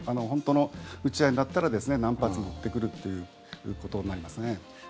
本当の撃ち合いになったら何発も撃ってくるということになりますね。